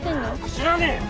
知らねえよ